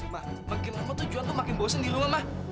mah makin lama tuh juhan tuh makin bosen di rumah mah